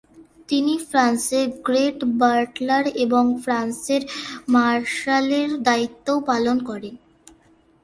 তিনি ফ্রান্সের grand butler এবং ফ্রান্সের মার্শালের দায়িত্বও পালন করেন।